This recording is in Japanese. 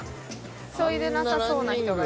急いでなさそうな人が。